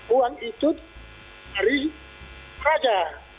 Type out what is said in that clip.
uang itu dari raja